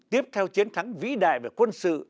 tiếp theo chiến thắng vĩ đại về quân sự